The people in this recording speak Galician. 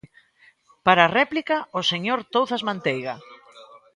Para a réplica, o señor Touzas Manteiga.